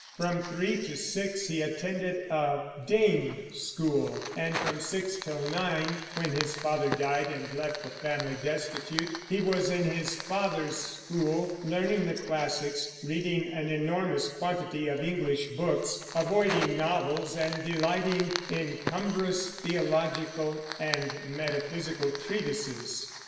From three to six he attended a "dame" school; and from six till nine (when his father died and left the family destitute) he was in his father's school, learning the classics, reading an enormous quantity of English books, avoiding novels, and delighting in cumbrous theological and metaphysical treatises.